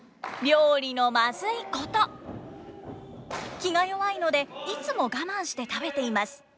気が弱いのでいつも我慢して食べています。